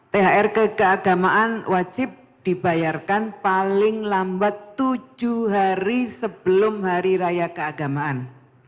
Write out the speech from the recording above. thr ke keagamaan wajib dibayarkan paling lambat tujuh hari sebelum hari raya keagamaan